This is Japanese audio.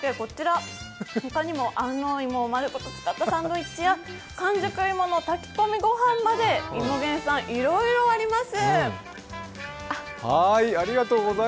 他にも安納芋を丸ごと使ったサンドイッチや完熟芋の炊き込み御飯まで、芋源さん、いろいろあります。